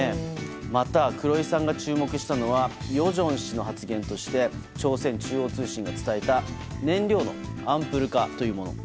また、黒井さんが注目したのは与正氏の発言として朝鮮中央通信が伝えた燃料のアンプル化というもの。